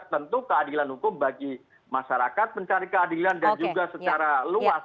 tentu keadilan hukum bagi masyarakat mencari keadilan dan juga secara luas